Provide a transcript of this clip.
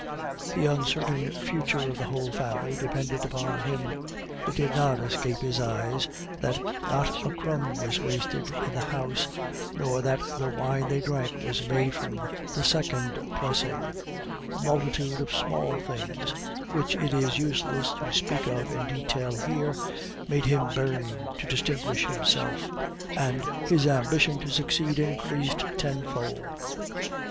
The uncertain future of the whole family depended upon him. It did not escape his eyes that not a crumb was wasted in the house, nor that the wine they drank was made from the second pressing; a multitude of small things, which it is useless to speak of in detail here, made him burn to distinguish himself, and his ambition to succeed increased tenfold.